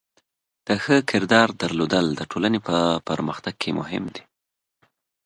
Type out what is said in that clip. د ښه کردار درلودل د ټولنې په پرمختګ کې مهم دی.